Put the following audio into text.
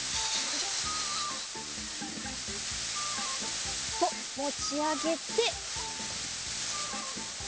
そっともちあげて。